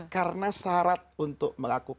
karena syarat untuk